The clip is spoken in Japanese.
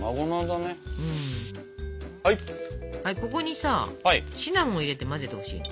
ここにさシナモン入れて混ぜてほしいの。